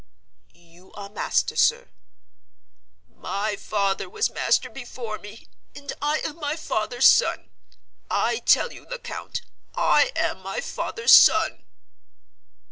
"You are master, sir." "My father was master before me. And I am my father's son. I tell you, Lecount, I am my father's son!"